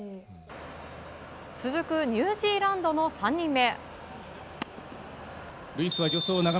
続くニュージーランドの３人目。